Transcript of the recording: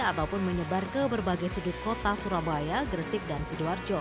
ataupun menyebar ke berbagai sudut kota surabaya gresik dan sidoarjo